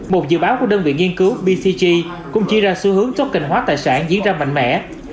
một dự báo của đơn vị nghiên cứu bcg cũng chia ra xu hướng token hóa tài sản diễn ra mạnh mẽ